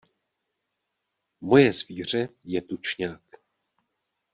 Moje zvíře je tučňák.